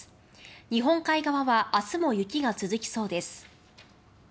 日本海側は明日も雪が続きそうです。